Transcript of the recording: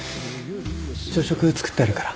朝食作ってあるから。